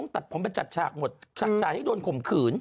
ตัดผมไปจัดฉากหมดฉากฉากให้โดนข่มขืน